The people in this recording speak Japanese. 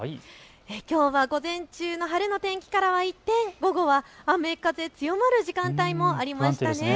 きょうは午前中の晴れの天気から一転、午後は雨風強まる時間帯もありましたね。